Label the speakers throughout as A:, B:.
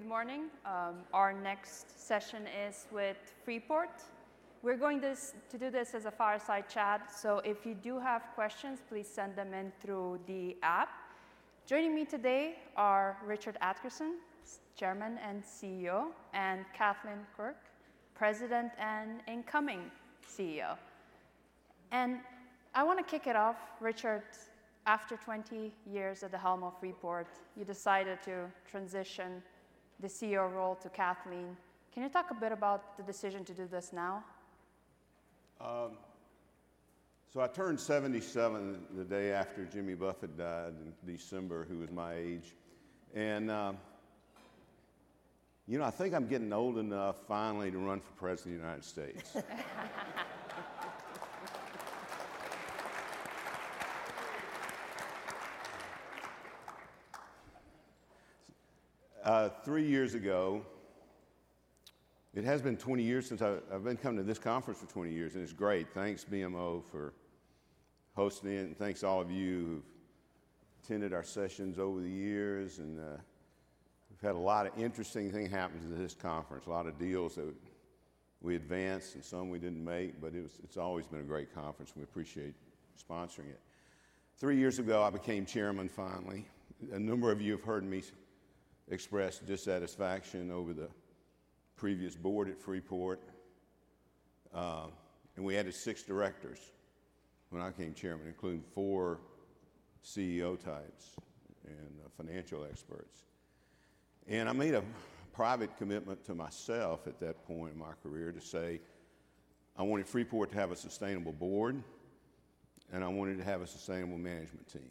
A: Good morning. Our next session is with Freeport. We're going to do this as a fireside chat, so if you do have questions, please send them in through the app. Joining me today are Richard Adkerson, Chairman and CEO, and Kathleen Quirk, President and Incoming CEO. I wanna kick it off, Richard, after 20 years at the helm of Freeport, you decided to transition the CEO role to Kathleen. Can you talk a bit about the decision to do this now?
B: So I turned 77 the day after Jimmy Buffett died in December, who was my age. And, you know, I think I'm getting old enough finally to run for President of the United States. Three years ago it has been 20 years since I've been coming to this conference for 20 years, and it's great. Thanks, BMO, for hosting it, and thanks to all of you who've attended our sessions over the years. And, we've had a lot of interesting things happen to this conference, a lot of deals that we advanced and some we didn't make. But it's always been a great conference, and we appreciate sponsoring it. Three years ago, I became chairman finally. A number of you have heard me express dissatisfaction over the previous board at Freeport. And we added six directors when I became chairman, including four CEO types and financial experts. I made a private commitment to myself at that point in my career to say I wanted Freeport to have a sustainable board, and I wanted to have a sustainable management team.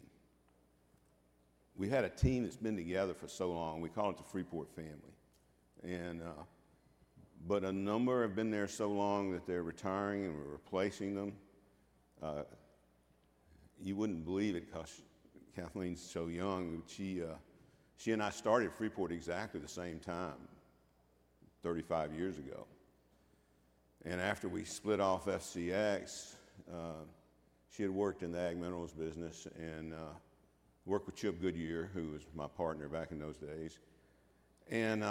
B: We had a team that's been together for so long. We call it the Freeport family. And, but a number have been there so long that they're retiring and we're replacing them. You wouldn't believe it 'cause Kathleen's so young. She, she and I started Freeport exactly the same time, 35 years ago. And after we split off FCX, she had worked in the ag minerals business and, worked with Chip Goodyear, who was my partner back in those days. And,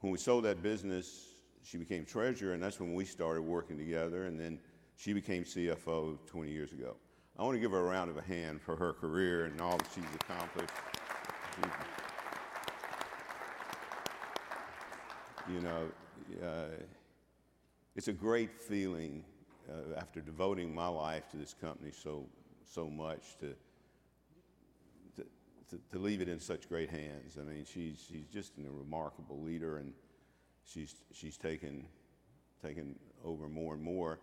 B: when we sold that business, she became treasurer, and that's when we started working together. And then she became CFO 20 years ago. I wanna give her a round of a hand for her career and all that she's accomplished. You know, it's a great feeling, after devoting my life to this company so much to leave it in such great hands. I mean, she's just a remarkable leader, and she's taken over more and more.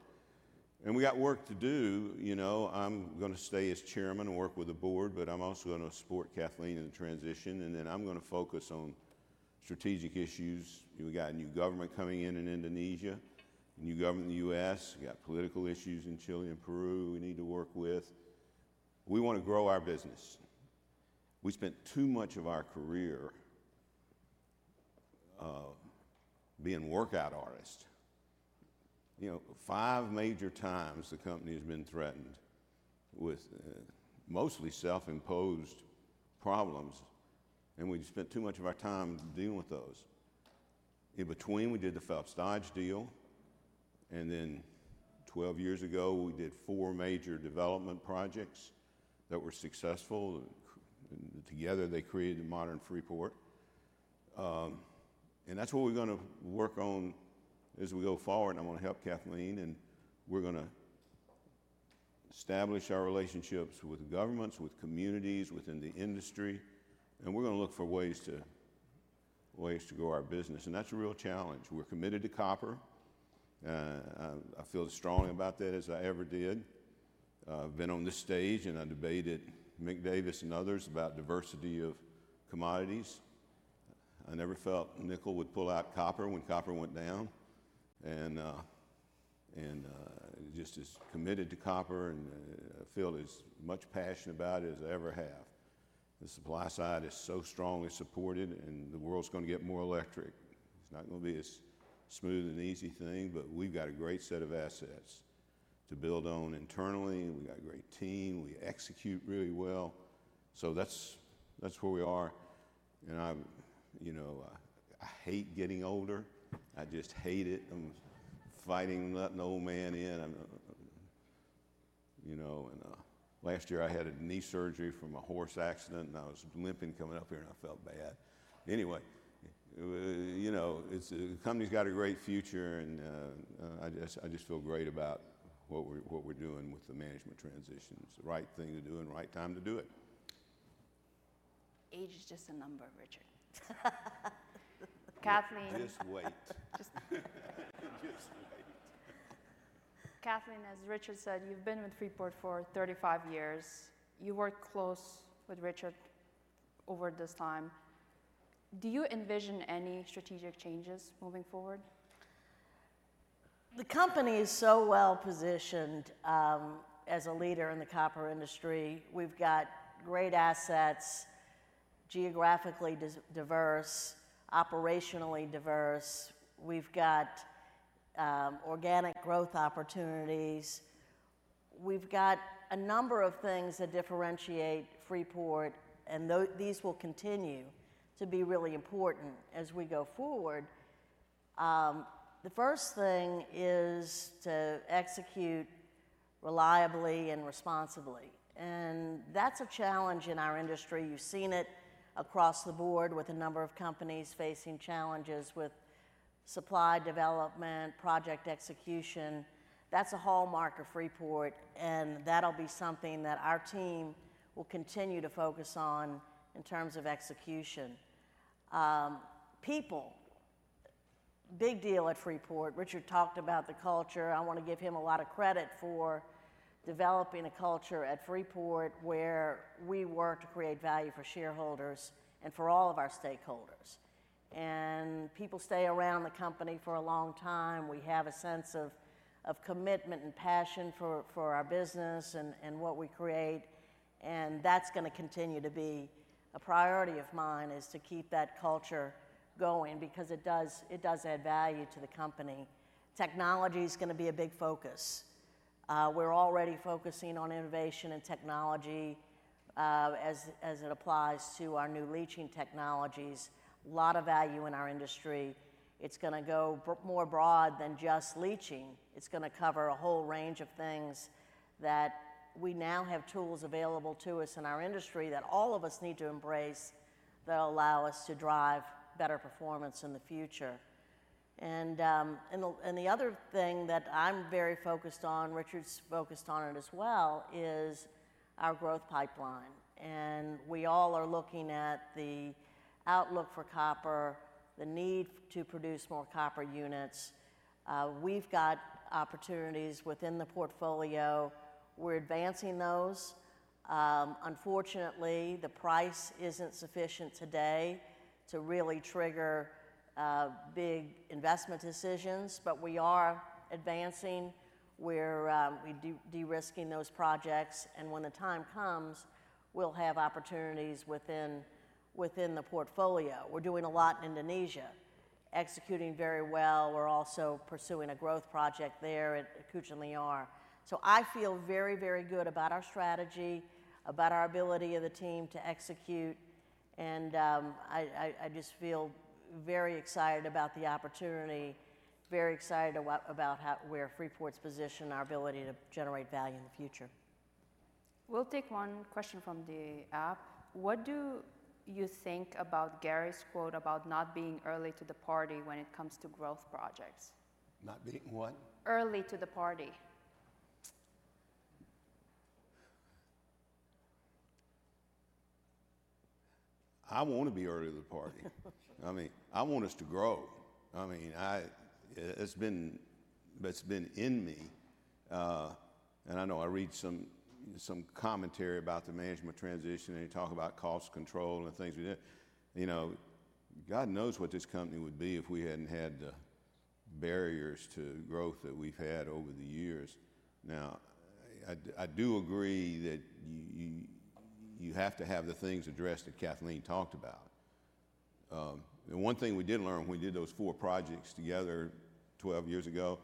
B: And we got work to do. You know, I'm gonna stay as Chairman and work with the board, but I'm also gonna support Kathleen in the transition. And then I'm gonna focus on strategic issues. You know, we got a new government coming in in Indonesia, a new government in the U.S. We got political issues in Chile and Peru we need to work with. We wanna grow our business. We spent too much of our career, being workout artists. You know, five major times the company has been threatened with, mostly self-imposed problems, and we spent too much of our time dealing with those. In between, we did the Phelps Dodge deal. And then 12 years ago, we did four major development projects that were successful. And together, they created the modern Freeport, and that's what we're gonna work on as we go forward. And I'm gonna help Kathleen, and we're gonna establish our relationships with governments, with communities, within the industry. And we're gonna look for ways to ways to grow our business. And that's a real challenge. We're committed to copper. I, I feel as strongly about that as I ever did. I've been on this stage, and I debated Mick Davis and others about diversity of commodities. I never felt nickel would pull out copper when copper went down. Just as committed to copper, and I feel as much passion about it as I ever have. The supply side is so strongly supported, and the world's gonna get more electric. It's not gonna be as smooth and easy thing, but we've got a great set of assets to build on internally. We got a great team. We execute really well. So that's where we are. And I, you know, I hate getting older. I just hate it. I'm fighting letting an old man in. You know, and last year, I had a knee surgery from a horse accident, and I was limping coming up here, and I felt bad. Anyway, you know, it's the company's got a great future, and I just feel great about what we're doing with the management transitions. The right thing to do and right time to do it.
C: Age is just a number, Richard.
A: Kathleen.
B: Just wait. Just wait.
A: Kathleen, as Richard said, you've been with Freeport for 35 years. You worked close with Richard over this time. Do you envision any strategic changes moving forward?
C: The company is so well positioned, as a leader in the copper industry. We've got great assets, geographically diverse, operationally diverse. We've got, organic growth opportunities. We've got a number of things that differentiate Freeport, and though these will continue to be really important as we go forward. The first thing is to execute reliably and responsibly. That's a challenge in our industry. You've seen it across the board with a number of companies facing challenges with supply development, project execution. That's a hallmark of Freeport, and that'll be something that our team will continue to focus on in terms of execution. People, big deal at Freeport. Richard talked about the culture. I wanna give him a lot of credit for developing a culture at Freeport where we work to create value for shareholders and for all of our stakeholders. People stay around the company for a long time. We have a sense of commitment and passion for our business and what we create. That's gonna continue to be a priority of mine is to keep that culture going because it does add value to the company. Technology's gonna be a big focus. We're already focusing on innovation and technology, as it applies to our new leaching technologies. A lot of value in our industry. It's gonna go be more broad than just leaching. It's gonna cover a whole range of things that we now have tools available to us in our industry that all of us need to embrace that'll allow us to drive better performance in the future. And the other thing that I'm very focused on, Richard's focused on it as well, is our growth pipeline. And we all are looking at the outlook for copper, the need to produce more copper units. We've got opportunities within the portfolio. We're advancing those. Unfortunately, the price isn't sufficient today to really trigger big investment decisions, but we are advancing. We're, we do de-risking those projects. And when the time comes, we'll have opportunities within, within the portfolio. We're doing a lot in Indonesia, executing very well. We're also pursuing a growth project there at Kucing Liar. So I feel very, very good about our strategy, about our ability of the team to execute. And, I, I, I just feel very excited about the opportunity, very excited about, about how where Freeport's position, our ability to generate value in the future.
A: We'll take one question from the app. What do you think about Gary's quote about not being early to the party when it comes to growth projects?
B: Not being what?
A: Early to the party.
B: I wanna be early to the party. I mean, I want us to grow. I mean, it's been in me. And I know I read some commentary about the management transition, and you talk about cost control and things we did. You know, God knows what this company would be if we hadn't had the barriers to growth that we've had over the years. Now, I do agree that you have to have the things addressed that Kathleen talked about. The one thing we did learn when we did those four projects together 12 years ago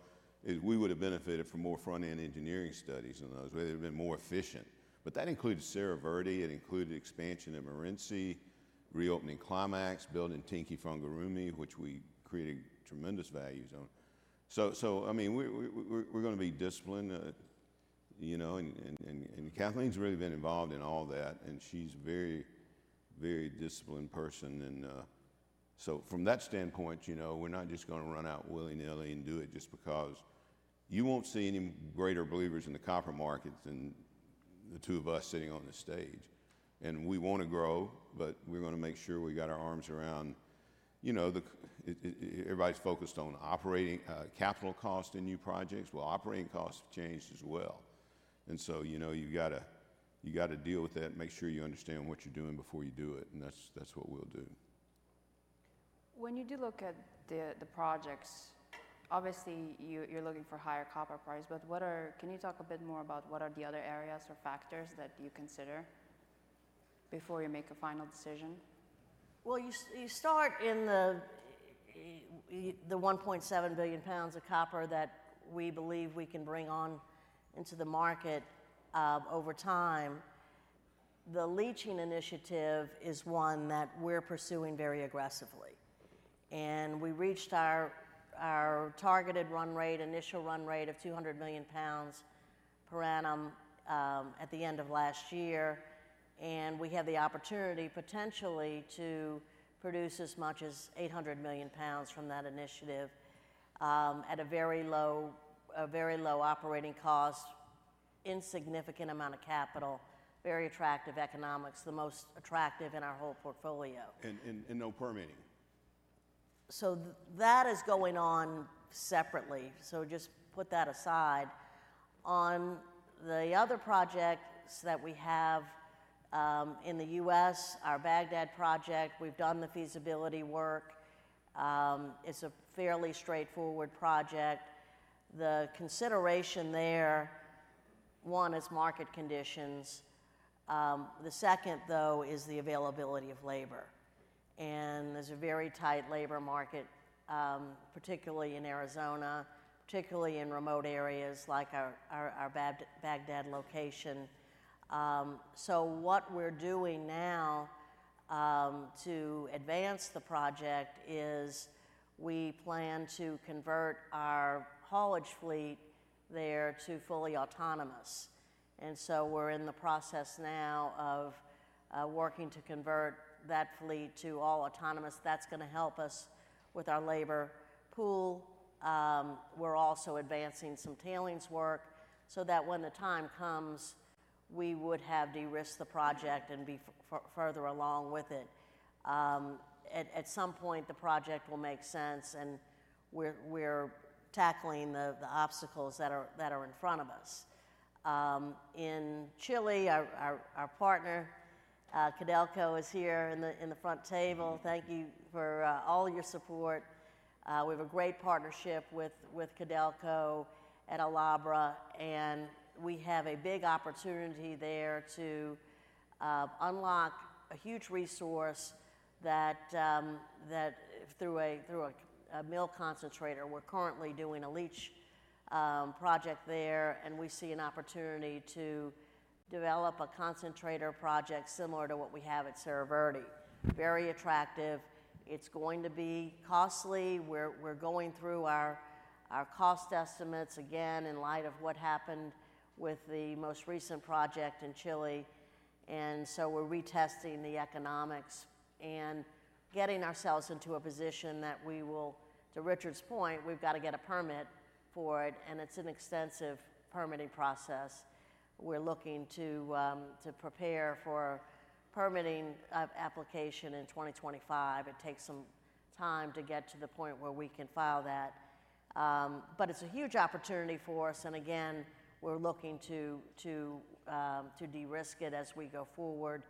B: is we would have benefited from more front-end engineering studies on those. We would have been more efficient. But that included Cerro Verde. It included expansion at Morenci, reopening Climax, building Tenke Fungurume, which we created tremendous values on. So, I mean, we're gonna be disciplined, you know. Kathleen's really been involved in all that, and she's a very, very disciplined person. So from that standpoint, you know, we're not just gonna run out willy-nilly and do it just because you won't see any greater believers in the copper market than the two of us sitting on this stage. We wanna grow, but we're gonna make sure we got our arms around, you know, the CI - it everybody's focused on operating, capital cost in new projects. Well, operating costs have changed as well. So, you know, you gotta deal with that and make sure you understand what you're doing before you do it. That's what we'll do.
A: When you do look at the projects, obviously, you're looking for higher copper prices. But what are can you talk a bit more about what are the other areas or factors that you consider before you make a final decision?
C: Well, you start in the 1.7 billion lbs of copper that we believe we can bring on into the market, over time. The leaching initiative is one that we're pursuing very aggressively. And we reached our targeted run rate, initial run rate of 200 million lbs per annum, at the end of last year. And we have the opportunity potentially to produce as much as 800 million lbs from that initiative, at a very low operating cost, insignificant amount of capital, very attractive economics, the most attractive in our whole portfolio.
B: And no permitting?
C: So that is going on separately. So just put that aside. On the other projects that we have, in the U.S., our Bagdad project, we've done the feasibility work. It's a fairly straightforward project. The consideration there, one, is market conditions. The second, though, is the availability of labor. And there's a very tight labor market, particularly in Arizona, particularly in remote areas like our Bagdad location. So what we're doing now, to advance the project, is we plan to convert our haulage fleet there to fully autonomous. And so we're in the process now of working to convert that fleet to all autonomous. That's gonna help us with our labor pool. We're also advancing some tailings work so that when the time comes, we would have de-risked the project and be further along with it. At some point, the project will make sense, and we're tackling the obstacles that are in front of us. In Chile, our partner, Codelco, is here in the front table. Thank you for all your support. We have a great partnership with Codelco at El Abra. And we have a big opportunity there to unlock a huge resource that through a mill concentrator, we're currently doing a leach project there. And we see an opportunity to develop a concentrator project similar to what we have at Cerro Verde. Very attractive. It's going to be costly. We're going through our cost estimates, again, in light of what happened with the most recent project in Chile. And so we're retesting the economics and getting ourselves into a position that we will, to Richard's point, we've gotta get a permit for it, and it's an extensive permitting process. We're looking to, to prepare for permitting application in 2025. It takes some time to get to the point where we can file that. But it's a huge opportunity for us. And again, we're looking to, to, to de-risk it as we go forward,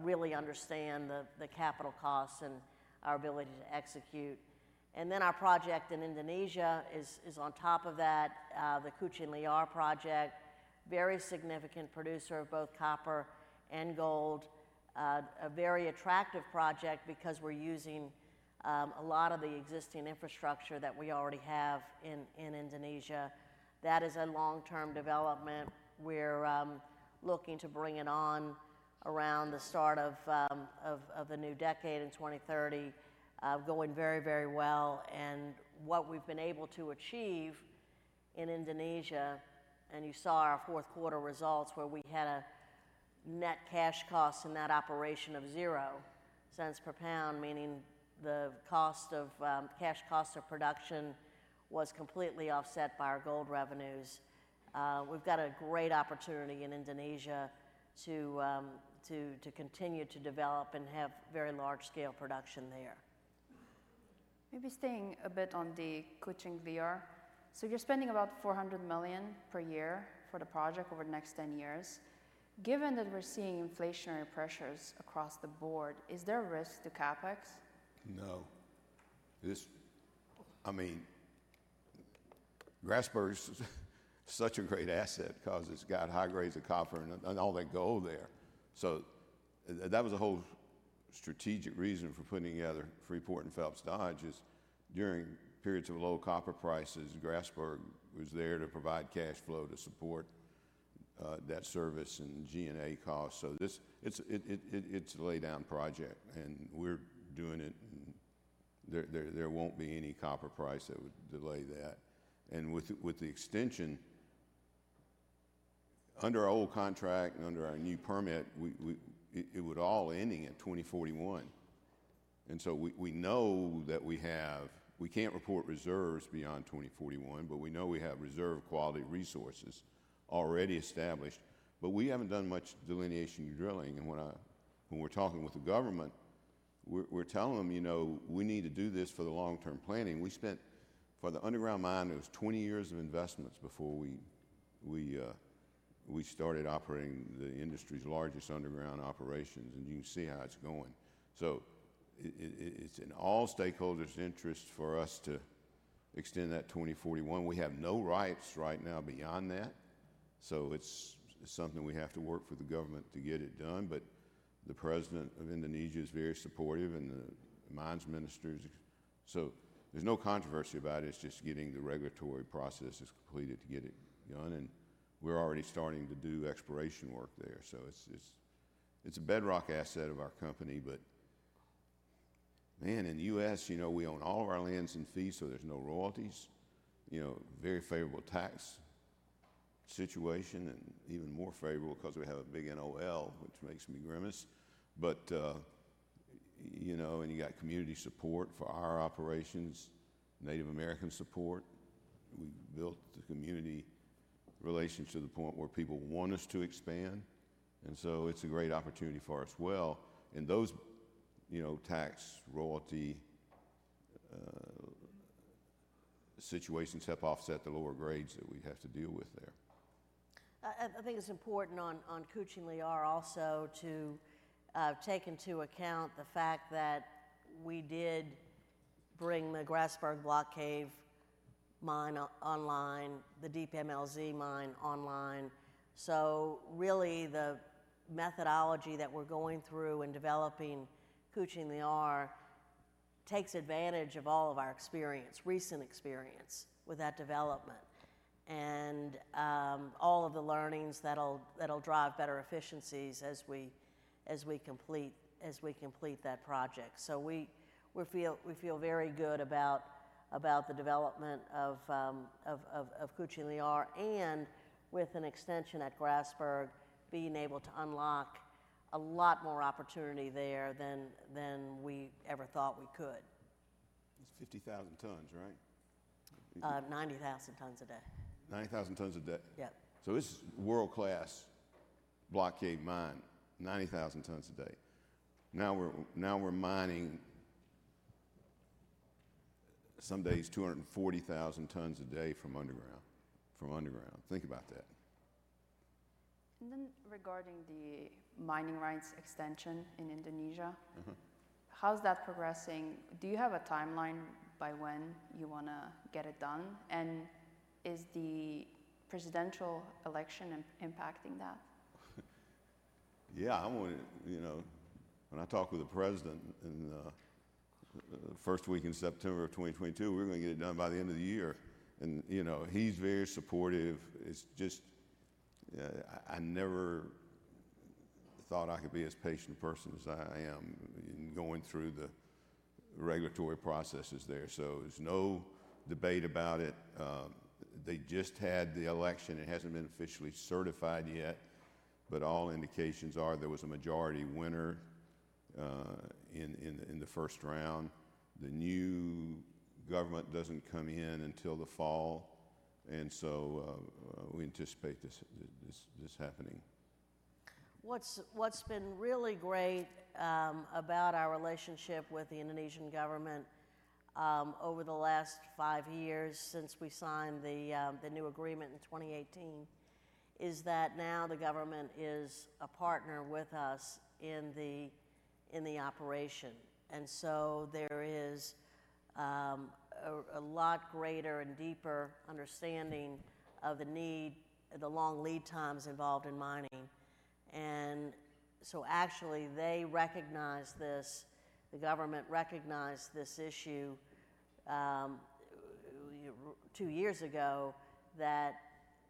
C: really understand the, the capital costs and our ability to execute. And then our project in Indonesia is, is on top of that, the Kucing Liar project, very significant producer of both copper and gold, a very attractive project because we're using a lot of the existing infrastructure that we already have in, in Indonesia. That is a long-term development. We're looking to bring it on around the start of the new decade in 2030, going very, very well. What we've been able to achieve in Indonesia and you saw our fourth-quarter results where we had a net cash cost in that operation of $0.00 per pound, meaning cash cost of production was completely offset by our gold revenues. We've got a great opportunity in Indonesia to continue to develop and have very large-scale production there.
A: Maybe staying a bit on the Kucing Liar. So you're spending about $400 million per year for the project over the next 10 years. Given that we're seeing inflationary pressures across the board, is there a risk to CapEx?
B: No. This, I mean, Grasberg's such a great asset 'cause it's got high grades of copper and all that gold there. So that was a whole strategic reason for putting together Freeport and Phelps Dodge is during periods of low copper prices, Grasberg was there to provide cash flow to support that service and G&A costs. So this, it's a laydown project, and we're doing it. And there won't be any copper price that would delay that. And with the extension under our old contract and under our new permit, we, it would all ending at 2041. And so we know that we can't report reserves beyond 2041, but we know we have reserve quality resources already established. But we haven't done much delineation drilling. And when we're talking with the government, we're telling them, "You know, we need to do this for the long-term planning." We spent for the underground mine, it was 20 years of investments before we started operating the industry's largest underground operations. And you can see how it's going. So it's in all stakeholders' interests for us to extend that 2041. We have no rights right now beyond that. So it's something we have to work for the government to get it done. But the president of Indonesia is very supportive, and the mines minister is so there's no controversy about it. It's just getting the regulatory processes completed to get it done. And we're already starting to do exploration work there. So it's a bedrock asset of our company. But man, in the U.S., you know, we own all of our lands and fees, so there's no royalties. You know, very favorable tax situation and even more favorable 'cause we have a big NOL, which makes me grimace. But, you know, and you got community support for our operations, Native American support. We built the community relations to the point where people want us to expand. And so it's a great opportunity for us as well. And those, you know, tax, royalty, situations have offset the lower grades that we have to deal with there.
C: I think it's important on Kucing Liar also to take into account the fact that we did bring the Grasberg Block Cave mine online, the DMLZ mine online. So really, the methodology that we're going through and developing Kucing Liar takes advantage of all of our experience, recent experience with that development and all of the learnings that'll drive better efficiencies as we complete that project. So we feel very good about the development of Kucing Liar and with an extension at Grasberg, being able to unlock a lot more opportunity there than we ever thought we could.
B: It's 50,000 tons, right?
C: 90,000 tons a day.
B: 90,000 tons a day?
C: Yep.
B: So this is world-class Block Cave mine, 90,000 tons a day. Now we're mining some days 240,000 tons a day from underground, from underground. Think about that.
A: Regarding the mining rights extension in Indonesia.
B: Mm-hmm.
A: How's that progressing? Do you have a timeline by when you wanna get it done? And is the presidential election impacting that?
B: Yeah. I wanna, you know, when I talk with the president in the first week in September of 2022, we're gonna get it done by the end of the year. And, you know, he's very supportive. It's just, I never thought I could be as patient a person as I am in going through the regulatory processes there. So there's no debate about it. They just had the election. It hasn't been officially certified yet, but all indications are there was a majority winner, in, in, in the first round. The new government doesn't come in until the fall. And so, we anticipate this happening.
C: What's been really great about our relationship with the Indonesian government over the last five years since we signed the new agreement in 2018 is that now the government is a partner with us in the operation. And so there is a lot greater and deeper understanding of the need, the long lead times involved in mining. And so actually, they recognize this the government recognized this issue two years ago that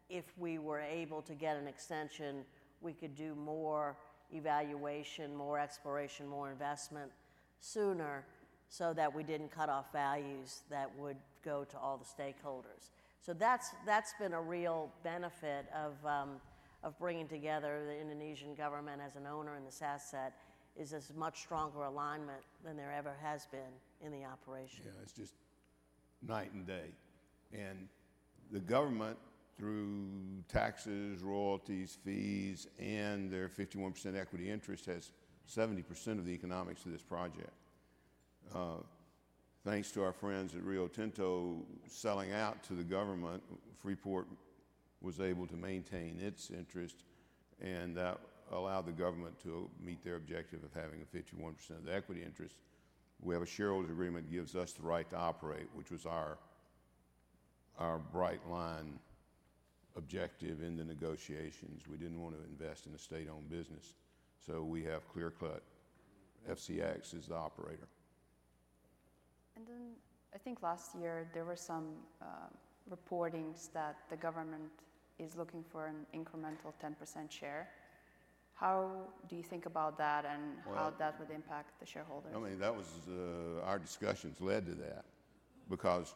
C: if we were able to get an extension, we could do more evaluation, more exploration, more investment sooner so that we didn't cut off values that would go to all the stakeholders. So that's been a real benefit of bringing together the Indonesian government as an owner in this asset is this much stronger alignment than there ever has been in the operation.
B: Yeah. It's just night and day. The government through taxes, royalties, fees, and their 51% equity interest has 70% of the economics of this project. Thanks to our friends at Rio Tinto selling out to the government, Freeport was able to maintain its interest, and that allowed the government to meet their objective of having a 51% of the equity interest. We have a shareholder's agreement that gives us the right to operate, which was our, our bright line objective in the negotiations. We didn't wanna invest in a state-owned business. We have clear-cut. FCX is the operator.
A: And then I think last year, there were some reports that the government is looking for an incremental 10% share. How do you think about that and how that would impact the shareholders?
B: I mean, that was. Our discussions led to that because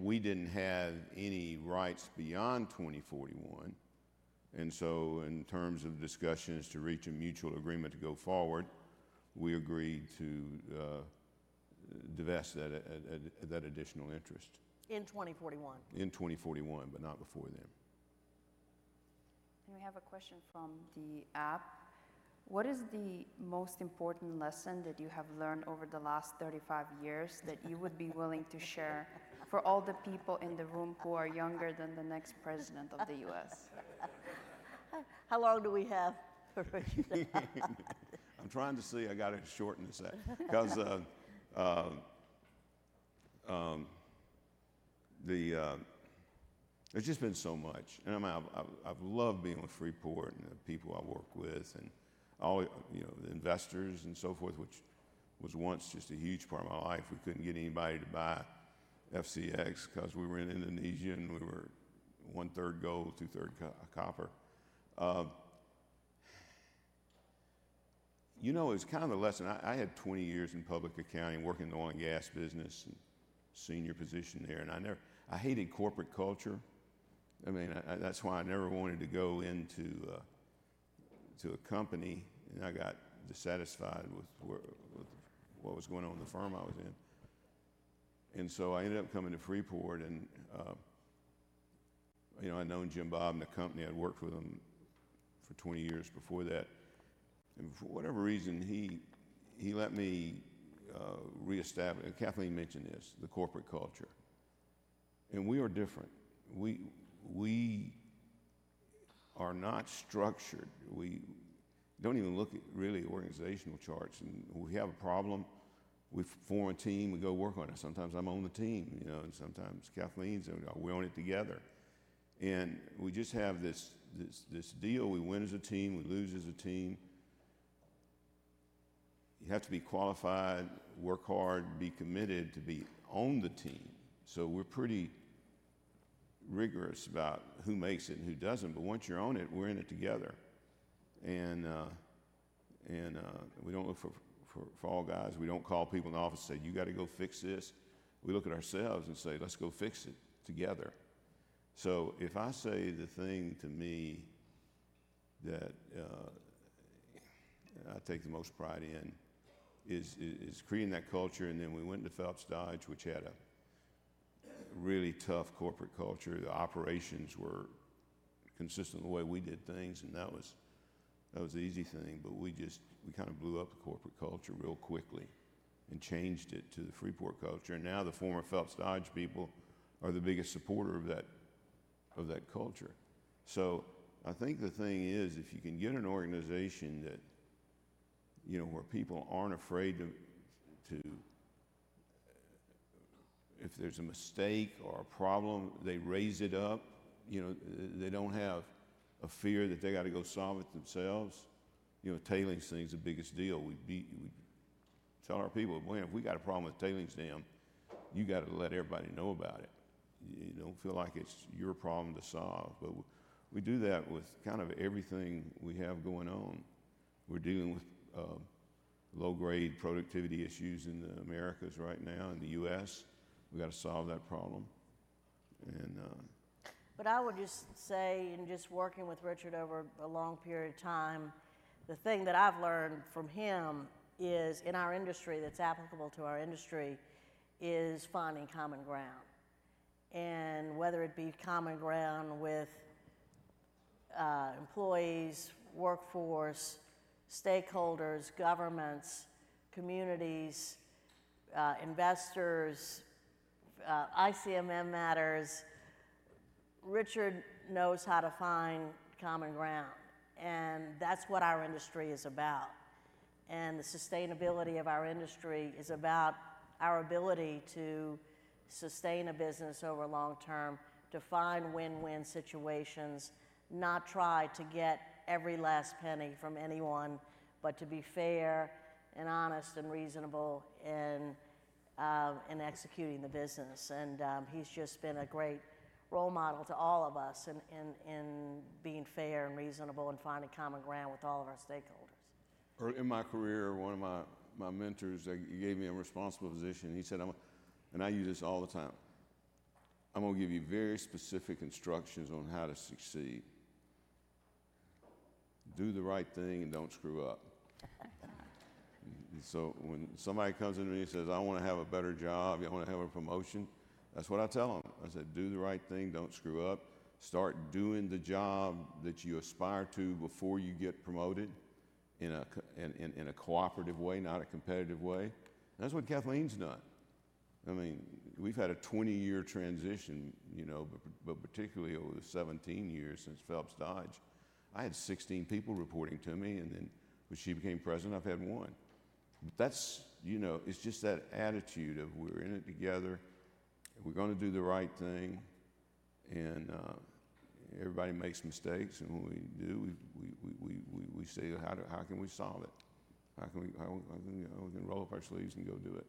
B: we didn't have any rights beyond 2041. And so in terms of discussions to reach a mutual agreement to go forward, we agreed to divest that additional interest.
A: In 2041?
B: In 2041, but not before then.
A: We have a question from the app. What is the most important lesson that you have learned over the last 35 years that you would be willing to share for all the people in the room who are younger than the next president of the U.S.?
C: How long do we have for a question?
B: I'm trying to see. I gotta shorten this out 'cause there's just been so much. And I mean, I've loved being with Freeport and the people I work with and all, you know, the investors and so forth, which was once just a huge part of my life. We couldn't get anybody to buy FCX 'cause we were in Indonesia, and we were 1/3 gold, 2/3 copper. You know, it was kind of a lesson. I had 20 years in public accounting, working in the oil and gas business, senior position there. And I never hated corporate culture. I mean, that's why I never wanted to go into a company. And so I ended up coming to Freeport. You know, I'd known Jim Bob and the company. I'd worked with them for 20 years before that. For whatever reason, he let me reestablish, and Kathleen mentioned this, the corporate culture. We are different. We are not structured. We don't even look at really organizational charts. When we have a problem, we form a team. We go work on it. Sometimes I'm on the team, you know. Sometimes Kathleen's on it. We own it together. We just have this deal. We win as a team. We lose as a team. You have to be qualified, work hard, be committed to be on the team. We're pretty rigorous about who makes it and who doesn't. Once you're on it, we're in it together. We don't look for all guys. We don't call people in the office and say, "You gotta go fix this." We look at ourselves and say, "Let's go fix it together." So if I say the thing to me that I take the most pride in is creating that culture. And then we went into Phelps Dodge, which had a really tough corporate culture. The operations were consistent with the way we did things. And that was the easy thing. But we just kind of blew up the corporate culture real quickly and changed it to the Freeport culture. And now the former Phelps Dodge people are the biggest supporter of that culture. So I think the thing is if you can get an organization that, you know, where people aren't afraid to if there's a mistake or a problem, they raise it up. You know, they don't have a fear that they gotta go solve it themselves. You know, tailings thing's the biggest deal. We, we tell our people, "Boy, if we got a problem with tailings dam, you gotta let everybody know about it. You don't feel like it's your problem to solve." But we, we do that with kind of everything we have going on. We're dealing with low-grade productivity issues in the Americas right now, in the U.S. We gotta solve that problem. And,
C: But I would just say, in just working with Richard over a long period of time, the thing that I've learned from him is, in our industry, that's applicable to our industry: finding common ground. Whether it be common ground with employees, workforce, stakeholders, governments, communities, investors, ICMM matters, Richard knows how to find common ground. That's what our industry is about. The sustainability of our industry is about our ability to sustain a business over a long term, to find win-win situations, not try to get every last penny from anyone, but to be fair and honest and reasonable in executing the business. He's just been a great role model to all of us in being fair and reasonable and finding common ground with all of our stakeholders.
B: Or in my career, one of my mentors, he gave me a responsible position. He said, "I'm gonna" and I use this all the time. "I'm gonna give you very specific instructions on how to succeed. Do the right thing and don't screw up." And so when somebody comes into me and says, "I wanna have a better job. I wanna have a promotion," that's what I tell them. I say, "Do the right thing. Don't screw up. Start doing the job that you aspire to before you get promoted in a cooperative way, not a competitive way." And that's what Kathleen's done. I mean, we've had a 20-year transition, you know, but particularly over the 17 years since Phelps Dodge, I had 16 people reporting to me. And then when she became president, I've had one. But that's, you know, it's just that attitude of we're in it together. We're gonna do the right thing. And everybody makes mistakes. And when we do, we say, "How can we solve it? How can we roll up our sleeves and go do it?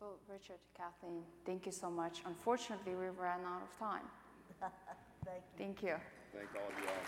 A: Well, Richard, Kathleen, thank you so much. Unfortunately, we ran out of time.
C: Thank you.
A: Thank you.
B: Thank all of y'all.